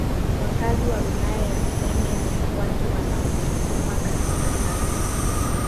Wakazi wa wilaya ya same ni watu wanaojituma katika kazi